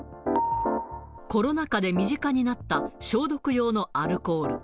コロナ禍で身近になった消毒用のアルコール。